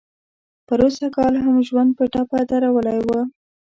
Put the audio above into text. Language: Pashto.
پروسږ کال هم ژوند په ټپه درولی و.